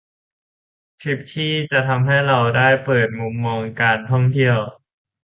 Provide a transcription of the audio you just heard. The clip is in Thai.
ทริปที่จะทำให้เราได้เปิดมุมมองการท่องเที่ยว